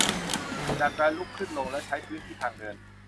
จากการลุกขึ้นลงและใช้พื้นที่ทางเดิน